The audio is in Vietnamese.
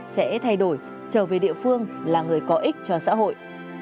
sẽ thay đổi trở về địa phương là người có ích cho xã hội